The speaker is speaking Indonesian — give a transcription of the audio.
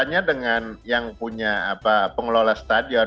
hanya dengan yang punya pengelola stadion